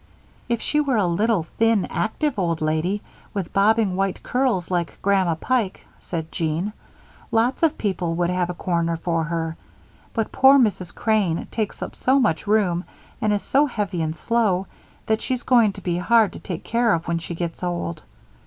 "If she were a little, thin, active old lady, with bobbing white curls like Grandma Pike," said Jean, "lots of people would have a corner for her; but poor Mrs. Crane takes up so much room and is so heavy and slow that she's going to be hard to take care of when she gets old.